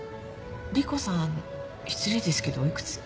莉湖さん失礼ですけどお幾つ？